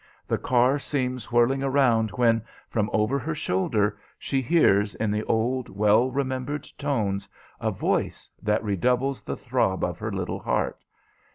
The car seems whirling around when, from over her shoulder, she hears, in the old, well remembered tones, a voice that redoubles the throb of her little heart.